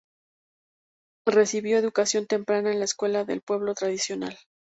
Recibió educación temprana en la escuela del pueblo tradicional.